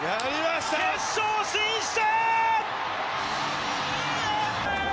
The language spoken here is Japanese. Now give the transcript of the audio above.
決勝進出！